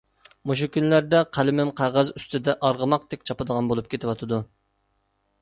مۇشۇ كۈنلەردە قەلىمىم قەغەز ئۈستىدە ئارغىماقتەك چاپىدىغان بولۇپ كېتىۋاتىدۇ.